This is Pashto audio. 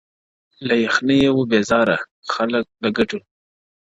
• له یخنیه وه بېزار خلک له ګټو ,